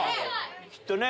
きっとね。